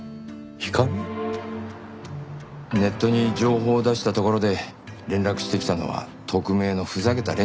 ネットに情報を出したところで連絡してきたのは匿名のふざけた連中ばかりで。